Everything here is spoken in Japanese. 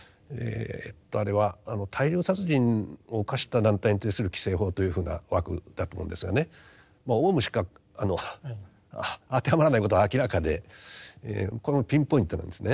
あれは大量殺人を犯した団体に対する規制法というふうな枠だと思うんですがねオウムしか当てはまらないことは明らかでこのピンポイントなんですね。